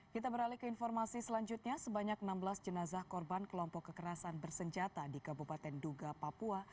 kita beralih ke informasi selanjutnya sebanyak enam belas jenazah korban kelompok kekerasan bersenjata di kabupaten duga papua